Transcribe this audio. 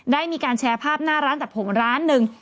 ได้มีการแชร์ภาพหน้าร้านตัดผมร้านหนึ่ง